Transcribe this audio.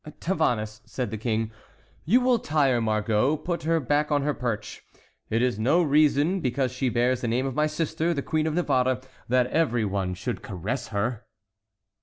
"Tavannes," said the King, "you will tire Margot; put her back on her perch. It is no reason, because she bears the name of my sister, the Queen of Navarre, that every one should caress her."